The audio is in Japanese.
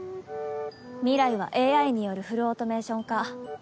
未来はＡＩによるフルオートメーション化。